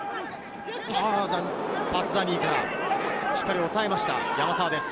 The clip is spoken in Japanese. パスダミーからしっかり抑えました、山沢です。